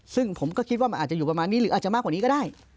ซึ่งผมก็คิดว่ามันอาจจะอยู่ประมาณนี้หรืออาจจะมากกว่านี้ก็ได้